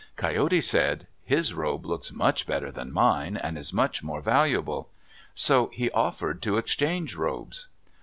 Coyote said, "His robe looks better than mine, and is much more valuable." So he offered to exchange robes.